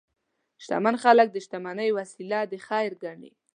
شتمن خلک د شتمنۍ وسیله د خیر ګڼي.